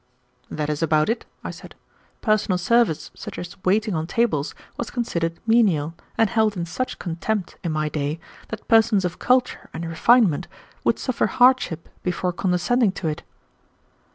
"That is about it," I said. "Personal service, such as waiting on tables, was considered menial, and held in such contempt, in my day, that persons of culture and refinement would suffer hardship before condescending to it."